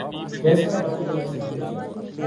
جیسا راجا ویسی پرجا